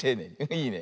いいね。